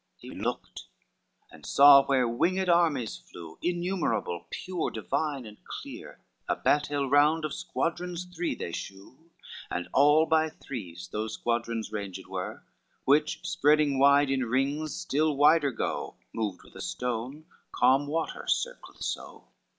He looked, and saw where winged armies flew, Innumerable, pure, divine and clear; A battle round of squadrons three they show And all by threes those squadrons ranged were, Which spreading wide in rings still wider go, Moved with a stone calm water circleth so.